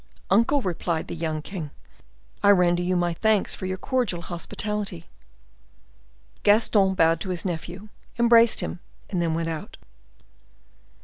"Uncle," replied the young king, "I render you my thanks for your cordial hospitality." Gaston bowed to his nephew, embraced him, and then went out.